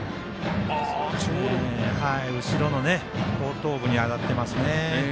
後ろの後頭部に当たっていますね。